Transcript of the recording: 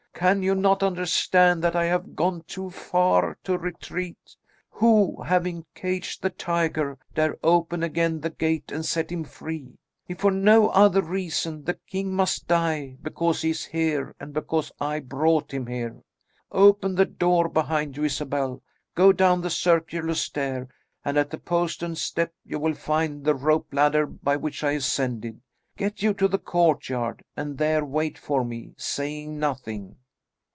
Can you not understand that I have gone too far to retreat? Who, having caged the tiger, dare open again the gate and set him free? If for no other reason, the king must die because he is here and because I brought him here. Open the door behind you, Isabel, go down the circular stair, and at the postern step you will find the rope ladder by which I ascended. Get you to the courtyard and there wait for me, saying nothing."